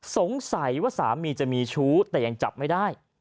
สงสัยว่าสามีจะมีชู้แต่ยังจับไม่ได้